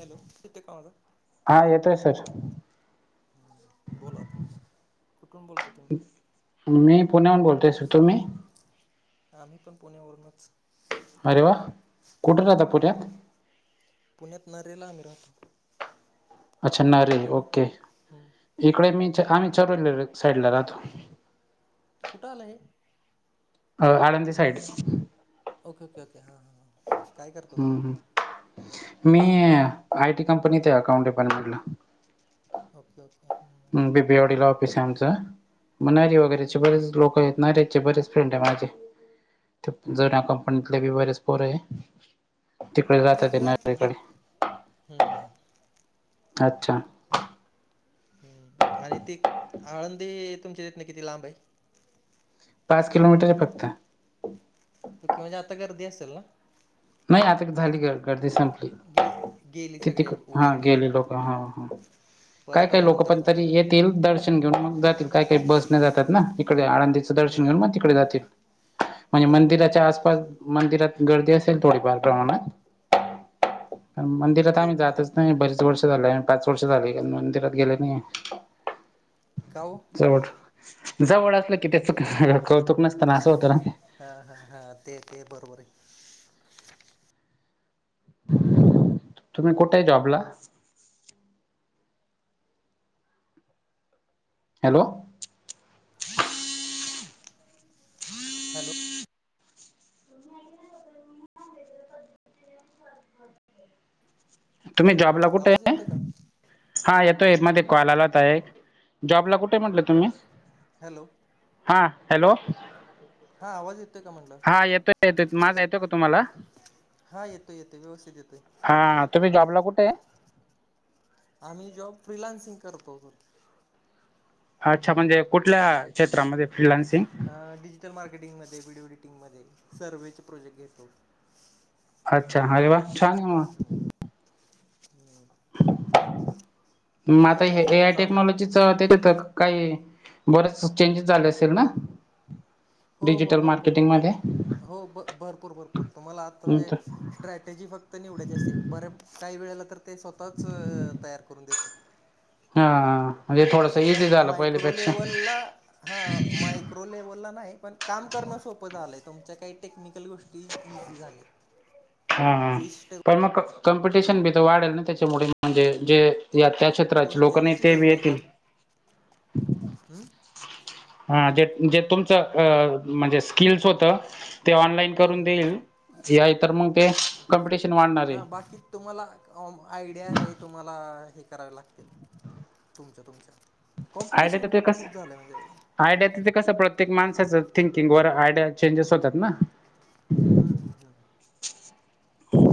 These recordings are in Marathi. हॅलो, इते का माझा? हा. येतोय सर. ह. बोला आता, कुठुन बोलताय? मी पुण्याहून बोलतोय सर. तुमी? आम्ही पण, पुण्यावरुनच. अरे, वा! कुठे राहता पुण्यात? पुण्यात नरेला, आम्ही राहतो. अच्छा, नरे. तुम्ही ओके. हम्म. इकडे मी च आम्ही, चरोली साईडला राहतो. कुठ, आलं हे? अ Alandi sides. Okay okay okay, हां हां हां. काय करता हम्म हम्. तुम्ही मी आय टी कंपनीत आहे, अकाउंट डिपार्टमेंटला. ओके ओके, हम्म. बिवडीला ऑफिस आहे आमचं, मनारी वगैरेचे ओके बरेच ओके लोक आहेत, ना ऱ्याचे बरेच [unintelligible] जुन्या कंपनीतले बी बरेच पोरय. [unintelligible] हम्म हम्म हम्म. अच्छा. हम्, आणि ती आळंदी तुमच्या इतन किती लांब आहे? पाच किलोमीटर फक्त. त कि [unintelligible] आता गर्दी असेल ना. नाही, आता झाली ग गर्दी संप गे गेली सगळे तितीकड, हा वारीला गेले लोकं, हा हम्म. हा. काय परत काय लोक आल्यानंतरच पण होता तरी गर्दी येतील, दर्श शण घेऊन मग जातील, काही काही बस ने जातात ना, इकडे आळंदीचं दर्शन हम्म. घेऊन मग तिकडे जातील. म्हणजे बरोबर मंदिराच्या बरोबर आसपास, मंदिरात गर्दी असेल थोडीफार प्रमाणात. पण मंदिरात ओके आम्ही ओके जातच नाही बरीच वर्ष झालय, पाच वर्ष झाले, मंदिरात गेले नाही. काओ. चोड, जवळ असलं की तेच कस कौतुक नसत ना, असं होतं ना ते. हा हा हा, ते ते बरोबर आहे. तुम्ही कुठय जॉबला? हॅलो. हॅलो. तुम्ही जॉबला कुठय? [unintelligible] त का? हा, येतोय मध्ये कॉल आला होत एक, जॉबला कुठ म्हटला तुम्ही? हॅलो. हा, हॅलो. हा, आवाज येत हा, येतोय येतोय, माझा येतो का तुम्हाला? हा येतोय येतोय व्यवस्थित येतोय हा, तुम्ही जॉबला कुठय? आम्ही जॉब, फ्रीलान्सिंग करतो [unintelligible] अच्छा, म्हणजे कुठल्या क्षेत्रामध्ये. फ्रीलान्सिंग? अं डिजिटल मार्केटिंग मध्ये, विडिओ एडिटिंग मध्ये, सर्ववेचे प्रोजेक्ट घेतो. अच्छा, अरे वा! छान आहे मग. हो, [unintelligible] मग आता हे, असं ए आय चालू टेक्नॉलॉजी आहे च [unintelligible] काही बरेच चेंजेस झाले असेल ना. हो हो, डिजिटल भरपूर मार्केटिंग मध्ये? भरपूर. हो ब भरपूर भरपूर तुम्हाला आता म्हणजे स्ट्रॅटेजी फक्त निवडायची असेल बर्या काही वेळेला तर ते स्वतःच तयार करून देतात. हा. म्हणजे पण थोडस एकदम इझी झालं मायक्रो पहिल्यापेक्षा लेव्हलला हा मायक्रोलेवलला नाही पण काम करणं सोपं झालंय तुमच्या काही टेक्निकल गोष टी इझी झालेत. [inaudible] हा ह पण मग कॉम्पिटिशन बी तर वाढेल ना त्याच्यामुळे म्हणजे जे त्याच्यात त्राची गोष्टी लोक नई असायची गरज तेबी नाही येतील. हम्म हा जे - जे तुमच म्हणजे अ स्कील्स होत. ते ऑनलाईन करून देईल. जि आय तर मग ते कॉम्पिटिशन वाढणारय. हा बाकी तुम्हाला आम -आयडिया हे तुम्हाला हे करावे लागतील. तुमच्या तुमच्या. आयडिया कॉम्पिटिशन तर ते खूप कसं -खूप झालंय म्हणजे आयडिया तिथ कसं प्रत्येक माणसाचं थिंकिंग वर आयडिया चेंजेस होतात ना? हं हं हं.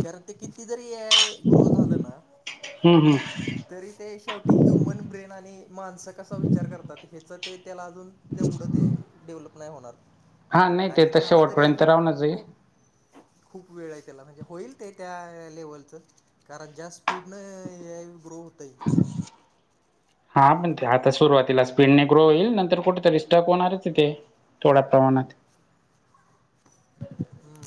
कारण ते किती जरी हे ग्रो झालं ना? हम्म हम्म. तरी ते शेवटी ह्युमन ब्रेन आणि माणसं कसा विचार करतात ह्याच ते त्याला अजून तेवढं ते डेव्हलप नाही होणार हा नाही ते आणि तर झालं तरी शेवटपर्यंत अजून राहूनच आहे. खूप खूप वेळ आहे त्याला म्हणजे होईल ते त्या लेवलचं. कारण ज्या स्पीडन ए आय ग्रो होतोय [inaudible] हा पण ते आता सुरुवातीला स्पीडने ग्रो होईल नंतर कुठेतरी स्टॉक होणारच आहे ते. थोडा प्रमाणात. हम्म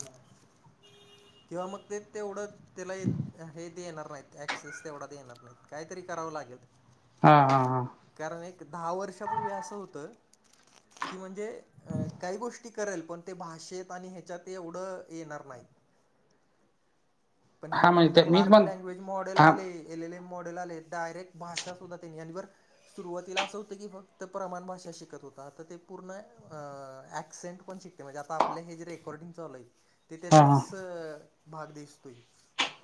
किंवा मग ते तेवढं त्याला येत हे देणार नाहीत ऍक्सेस तेवढा देणार नाहीत काहीतरी करावं लागेल. हा हा हा. कारण एक दहा वर्षापूर्वी असं होतं कि म्हणजे अ काही गोष्टी करेल पण ते भाषेत आणि हे च्यात एवढं येणार नाहीत. पण हे हा म्हणजे नंतर ते मीच लार्ज पण लँग्वेज मॉडेल हा आले एल एल ए मॉडेल आले डायरेक्ट भाषा सुद्धा त्यांनी आणि वर सुरुवातीला असं होतं की फक्त प्रमाण भाषा शिकत होता आता ते पूर्ण अ ऍक्सेंट पण शिकते म्हणजे आता आपले हे जे रेकॉर्डिंग चालू आहेत ते हा हा त्याचाच भाग दिसतोय.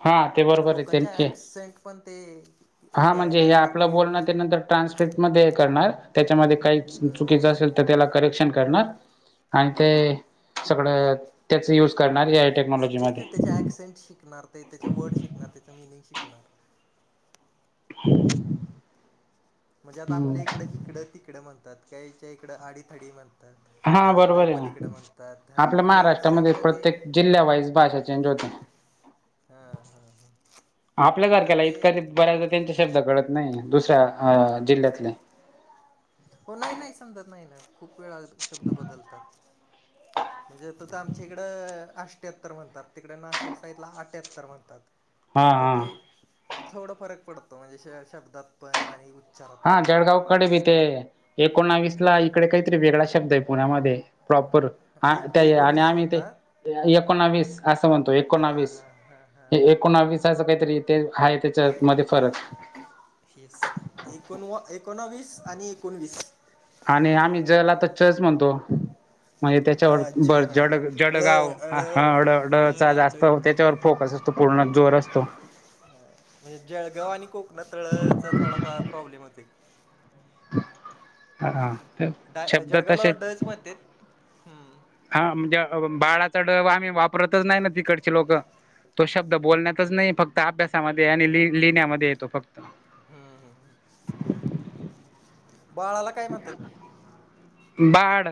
हा ते की बरोबर आहे लोकांच्या त्यांचे ॲक्सेंट - - पण ते हा म्हणजे हे कॅच आपलं करते बोलणं त्या नंतर ट्रान्स्किट मध्ये हे करणार त्याच्यामध्ये काही च चुकीचं असेल तर तर त्याला करेक्शन करणार आणि ते सगळं त्याच युज करणार. ए आय तेच ते त्याचे ॲक्सेंट शिकणार ते त्याचे वर्ड शिकणार त्याचं मिनिंग शिकणार. [inaudible] म्हणजे आता आपल्या इकडं हिकडं तिकडं म्हणतात. कायच्या इकडं आडी -थडी म्हणतात. हा अलीकडं बरोबर आहे पलीकडं ना? म्हणतात हा आपल्या मग हे महाराष्ट्रामध्ये सगळं ते प्रत्येक जिल्ह्यावाईज भाषेच चेंज होतय. हा हा हा आपल्यासारख्याला इतक ते बऱ्याच त्यांचे शब्द कळत नाही दुसऱ्या आ जिल्ह्यातले हो नाही नाही समजत नाही ना? खूप वेळा शब्द बदलतात म्हणजे त तर आमच्या इकडं आष् ट्याहत्तर म्हणतात. तिकडे नाशिक साईडला अठ्यात्तर म्हणतात. हा तर हा ते थोड फरक पडतो म्हणजे श -शब्दात पण आणि हा उच्चारात पण जळगावकडे बी ते एकोणावीस ला इकडे काहीतरी वेगळा शब्द आहे पुण्यामध्ये. प्रोपर. हा एक त्या आणि एकोणीस आम्ही ते म्हणतात एकोणावीस असं म्हणतो हां एकोणावीस. हां हां हां हे हां हां एकोणावीसाचं काहीतरी ते आहे. त्याच्यामध्ये फरक. येस एकोणावीस आणि एकोणवीस. आणि आम्ही ज ला च च म्हणतो. म्हणजे हा ज त्याच्यावर हा जड हा - ळ जडगाव ळ ह ड - ड चा ळळा ड जास्त त्याच्यावर हा फोकस अस तो पूर्ण जोर असतो. म्हणजे जळगाव आणि कोकणात ळ चा थोडासा प्रॉब्लेम होतोय. हा शब्द जळगावला तसेच ड च म्हणतेत. हम्म. हा म्हणजे बाळाचा ड आम्ही वापरतचं नाही ना तिकडचे लोकं. तो शब्द बोलण्यातच नाही. फक्त अभ्यासामध्ये आणि लिह - लिहिण्यामध्ये येतो फक्त. हा हा. बाळाला काय म्हणतात? बाड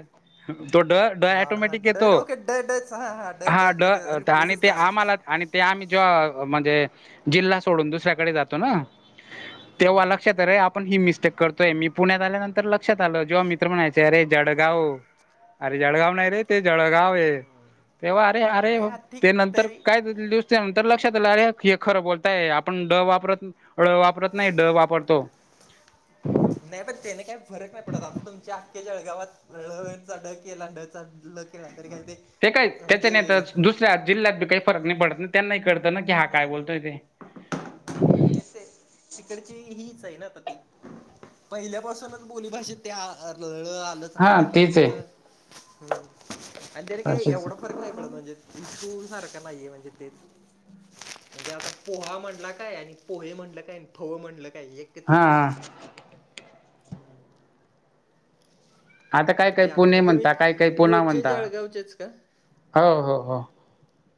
तो ड ड बाळ हा ॲटोमॅटिक ड येतो. ओके ड डच हा ड हा ते ड आणि रिप्लेसच ते झालं. आम्हाला आणि ते आम्ही जॉ म्हणजे जिल्हा सोडून दुसऱ्याकडे जातो ना? हम्म तेव्हा हम्म लक्षात रे आपण ही मिस्टेक करतोयं. मी पुण्यात आल्यानंतर तर लक्षात आलं जेव्हा मित्र म्हणायचे अरे जडगाव अरे जडगाव नाही रे ते जळगाव. तेव्हा अरे -अरे नाही हा ठीक ते नंतर तरी काय दिवस नंतर लक्षात आलं अरे हे खरं बोलतायं आपण ड वापरत नाही. ळ वापरत नाही ड वापरतो. नाही पण त्याने काही फरक नाही पडतं आता तुमच्या आख्ख्या जळगावात ळचा ड केला ड चा ळ केला. तरी काय ते ते काय त्याच्या म्हणजे ने त दुसऱ्या जिल्हात काही फरक नाही पडतं नाही त्यांना ही कळत त्यांना कि हा काय बोलतोयं ते. कसे? तिकडची हीच हायना आता ती. पहिल्यापासूनचं बोलीभाषेत ते आ ळ आलं. अस नाही हा त्यामुळे तेच आहे त्याचं. हम्म आणि त्यानी काही तशीच एवढा फरक नाही पडतं म्हणजे स्कुल सारखं नाहीये म्हणजे तेचं म्हणजे पोहा म्हणला काय आणि पोहे म्हणलं काय आणि फव म्हणलं काय एकच. हा. हम्म. आता काय - तर काय ते असं पुणे मग तुम्ही म्हणता. काय पुनं मूळचे म्हणता. जळगावचेच का? हो - हो - हो.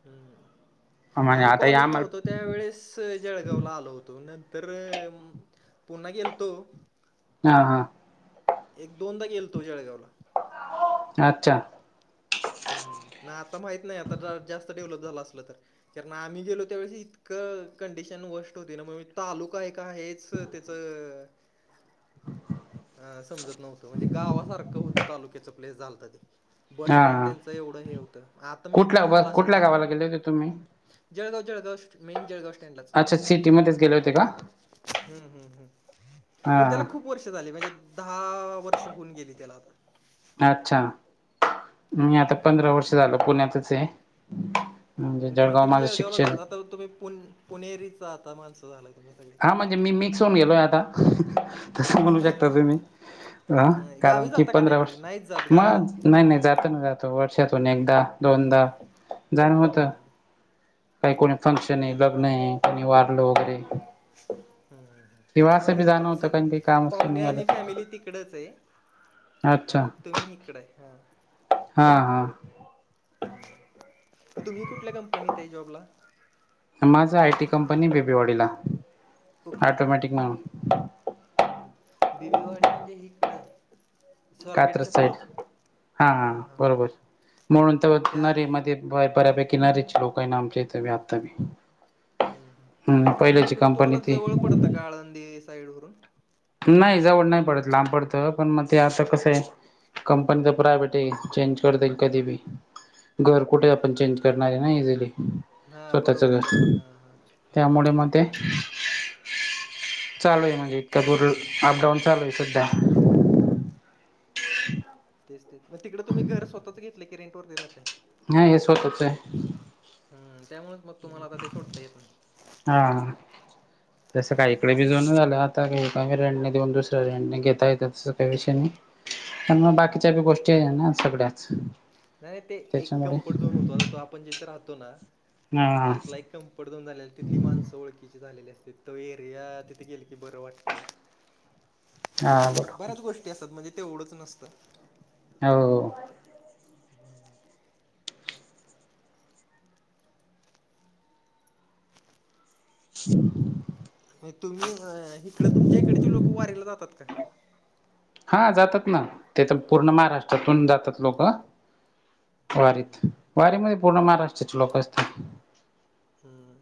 हम् म्हणजे आम्ही आता या कॉलेजला होतो. आम्हाला त्यावेेळेस जळगावला आलो होतो नंतर पुन्हा गेलतो. हा. हा. एक दोनदा गेलोतो जळगावला. अच्छा! हम्म न आता माहीतं नाही आता जास्तं डेव्हलप झाला असल तर. कारण आम्ही गेलो त्यावेळेसं इतकं कंडिशन वर्स्ट होती. ना मग तालुका एक आहेचं त त्याचं [inaudible] अ समजतं नव्हतं म्हणजे गावासारखं होतं. तालुक्याच प्लेस झालत ते. बस हा स्टँड हा त्यांचं एवढं हे होतं. आता मे बी कुठल्या ब झालं असेल कुठल्या चांगलं. गावाला गेले होते तुम्ही? जळगाव - जळगाव मेन जळगाव. त्यांलाच. अच्छा सिटीमध्येच गेले होते का? हम्म हम्म हम्म. पण हा त्याला खूप खूप वर्ष झाली म्हणजे दहा वर्ष होऊन गेली त्याला आता. अच्छा! मी आता हम्म पंधरा वर्ष झालं पुण्यातचंय. तुम्ही जळगावला जा आता तुम्ही पुण - पुणेरीचं आता माणसं झालाय. तुम्ही सगळे हा म्हणजे मी मिक्स होऊनं गेलोयं आता तसं म्हणू शकता तुम्ही. ह? अं, कारण गावी कि जाता का नाही पंधरा मग वर्ष नाहीच जात गावाला -मग? हम्म, नाही नाही जातो ना जातो वर्षातून एकदा दोनदा जाण होतं. हम्म, हम्म. काही कोणी फंक्शन आहे, तेच लग्न तेच तेच आहे, कोणी वारलं वगैरे- हम्म. किंवा हा असं बी म्हणजे जाणं होतं सगळे कारण काही काम असलं पाहुणे निघालं आणि तर फॅमिली तिकडच आहे. अच्छा आणि तुम्ही इकडे आहे. हा. हा हा हम्म. मग तुम्ही कुठल्या कंपनीत आहे जॉबला? माझा आय टी कंपनी आहे बेबीवाडीला. ओके - ओके ऑटोमॅटिक -ओके म्हणून बिवेवाडी म्हणजे हिकडं. स्वारगेट कात्रज च्या साईड पुढं. हा - हा हां हां हां बरोबर म्हणून तर त्या मध्ये आहे. -मध्ये बऱ्यापैकी किनारीयाचे लोक आहे ना आमचे इथं आता बी. हम्म. हम्म म पहिल्याची हिकडं कंपनी तुम्हाला ती जवळ पडतं का आळंदी साईड वरून. नाही जवळ नाही पडत लांब पडतं पण मग ते आता कसं आहे- - कंपनी तर प्रायव्हेट आहे. चेंज करता येईल कधी बी. घर कुठे आपण चेंज करणार आहे ना इजीली? हां स्वतःच बरोबर घर आहे बरोबर हां हां त्यामुळे मग ते- हां राईट - चालू आहे म्हणजे इतका दूर अपडाऊन चालू आहे सध्या. तेच तेच मग तिकडे तुम्ही घर स्वतःच घेतलय की रेंट वरती राहताय. नाही हे स्वतःच आहे. हम त्यामुळेच मग तुम्हाला आता ते सोडता येत नाही. हा. जसं काहीकडे बी जून झालं आता काही काही रेंटने देऊन दुसऱ्या रेंटने घेता येत तसं काय विषय नाही. त्यामुळ म हम्म बाकीच्या बी गोष्टी आहे ना सगळ्याच. नाही ते एक त्याच्यामुळे कम्फर्ट झोन होतो आता तो आपण जिथे राहतो ना? हा तिथला एक- कम्फर्ट झोन झालेल. तिथली माणसं ओळखीची झालेली असत्यात. तो एरिया तिथ गेल की बरं वाटतंय. [inaudible] हा बऱ्याच बरोबर गोष्टी असतात. म्हणजे तेवढंच नसतं. हो. [inaudible] [inaudible] होय तुम्ही अ हिकड तुमच्या हिकडची लोक वारीला जातात का? हा जातात ना? ते तर पूर्ण महाराष्ट्रातून जातात लोकं. हम्म वारीत. हम्म वारी मध्ये पूर्ण महाराष्ट्राचे लोक असतात. हम्म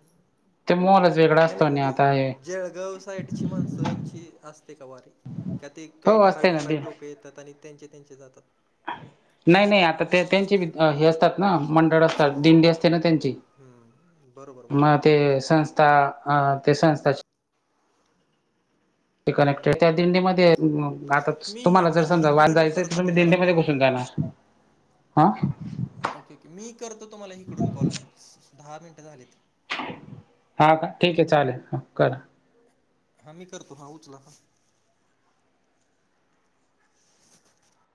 ते मोहलच वेगळा ते असतो नाही आणि म्हणजे- आता हे जळगाव साईडची माणसांची असते का वारी? का ते काही हो असते ठराविक ना ते ठराविक लोक येतात आणि त्यांचे - त्यांचे जातात. नाही -नाही आता ते त्यांचे बी हे असतात ना मंडळ असतात दिंडी असते ना त्यांची. हम्म बरोबर म बरोबर ते संस्था अ ते संस्थाचे - - ते कनेक्टेड त्या हम्म दिंडीमध्ये म ग आता मी हि तुम्हाला जर समजा वारीला हिकडून जायचंय तर करतो तुम्ही तुम्हाला दिंडीमध्ये कॉल घुसून जाणार. हा? ओके, ओके मी करतो तुम्हाला हीकडून कॉल दहा मिनटं झालीत. हा, का ठीक ये चालेल हं करा. हा मी करतो हा उचला फक् [unintelligible]